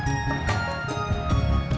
gak usah banyak ngomong